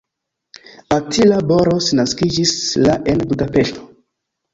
Attila Boros naskiĝis la en Budapeŝto.